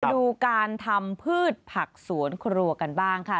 ดูการทำพืชผักสวนครัวกันบ้างค่ะ